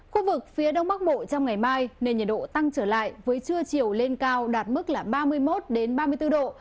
khu vực phía đông bắc bộ trong ngày mai nền nhiệt độ tăng trở lại với trưa chiều lên cao đạt mức ba mươi một ba mươi bốn độ